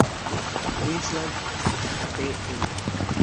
Queensland Pl.